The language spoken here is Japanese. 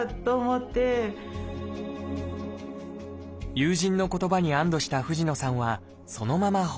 友人の言葉に安堵した藤野さんはそのまま放置。